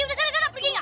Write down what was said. udah sana sana pergi gak